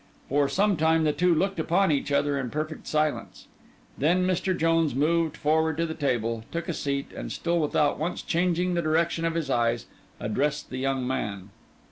For some time, the two looked upon each other in perfect silence; then Mr. Jones moved forward to the table, took a seat, and still without once changing the direction of his eyes, addressed the young man.